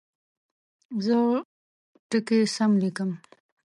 زه ټکي سم لیکم.